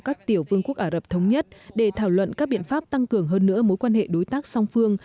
các tiểu vương quốc ả rập thống nhất để thảo luận các biện pháp tăng cường hơn nữa mối quan hệ đối tác song phương